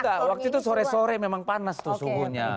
enggak waktu itu sore sore memang panas tuh suhunya